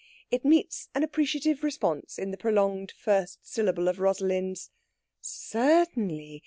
It meets an appreciative response in the prolonged first syllable of Rosalind's "_Cer_tainly.